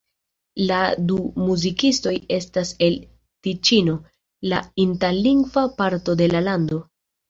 La du muzikistoj estas el Tiĉino, la itallingva parto de la lando.